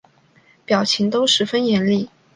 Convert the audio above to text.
表情都十分严厉